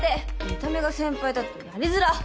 見た目が先輩だとやりづらっ！